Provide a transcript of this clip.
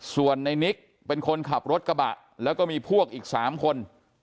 ส่วนในนิกเป็นคนขับรถกระบะแล้วก็มีพวกอีก๓คน